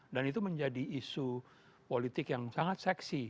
dan itu menjadi isu politik yang sangat seksi